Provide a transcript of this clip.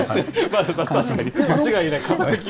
間違いない。